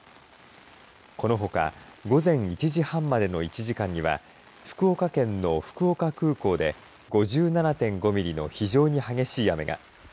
このほか午前１時半までの１時間には福岡県の福岡空港で５７．５ミリの非常に激しい雨が。